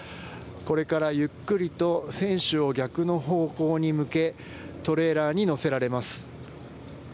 これからゆっくりと船首を逆の方向に向けトレーラーに載せられます。